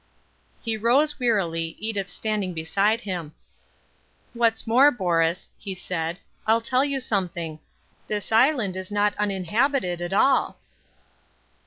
He rose wearily, Edith standing beside him. "What's more, Borus," he said, "I'll tell you something. This island is not uninhabited at all."